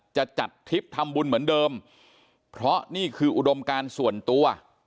จะจัดทริปทำบุญเหมือนเดิมเพราะนี่คืออุดมการส่วนตัว